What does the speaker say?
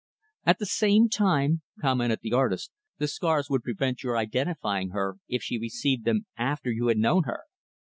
"At the same time," commented the artist, "the scars would prevent your identifying her if she received them after you had known her."